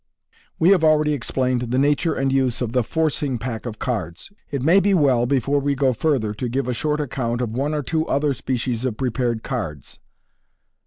We have already explained the nature and use of the " forcing*' pack of cards. It may be well, before we go further, to give a short account of one or two other species of prepared cards.